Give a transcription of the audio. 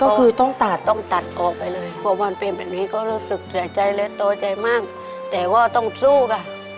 เพราะว่าตั้งสู้ก่อ